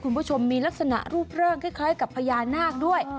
คุณผู้ชมมีลักษณะรูปร่างคล้ายกับพญานาคด้วย